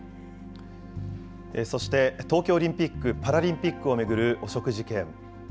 そして、東京オリンピック・パラリンピックを巡る汚職事件。